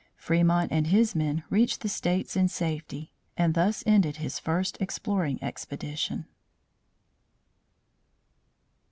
Fremont and his men reached the states in safety and thus ended his first exploring expedition.